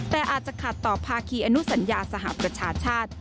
แต่อาจจะขัดต่อภาคีอนุสัญญาสหประชาชาติ